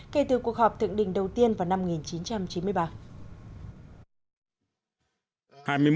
kể từ cuộc họp thượng đỉnh đầu tiên vào năm một nghìn chín trăm chín mươi ba